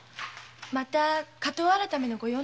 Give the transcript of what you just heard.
また「火盗改め」の御用なんですよ。